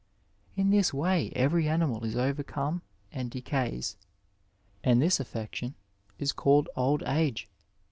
In this way every animal is overcome and decays, and this affection is called old age.